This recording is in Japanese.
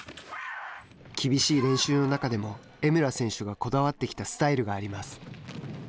厳しい練習の中でも江村選手がこだわってきたスタイルがあります。